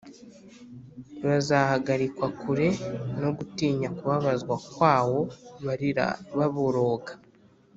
bazahagarikwa kure no gutinya kubabazwa kwawo, barira baboroga